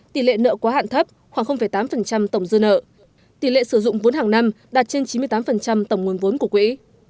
tỷ lệ nợ quá hạn thấp khoảng tám tổng dư nợ tỷ lệ sử dụng vốn hàng năm đạt trên chín mươi tám tổng nguồn vốn của quỹ